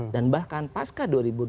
dan bahkan pasca dua ribu dua puluh empat